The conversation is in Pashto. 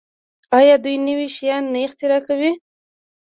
آیا دوی نوي شیان نه اختراع کوي؟